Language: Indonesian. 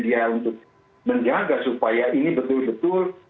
dia untuk menjaga supaya ini betul betul